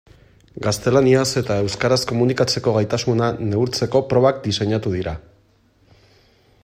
Gaztelaniaz eta euskaraz komunikatzeko gaitasuna neurtzeko probak diseinatu dira.